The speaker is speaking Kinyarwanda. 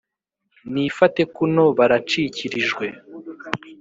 nifate kuno baracikirijwe,